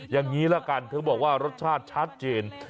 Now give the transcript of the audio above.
อย่างนี้ละกันเธอบอกว่ารสชาติชัดเจน